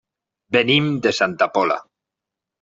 Venim de Santa Pola.